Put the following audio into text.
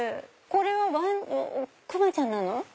これはクマちゃんなの？